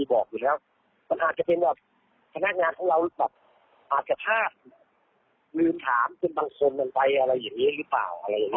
ได้ยินถามเป็นบางคนมันไปอะไรอย่างนี้หรือเปล่า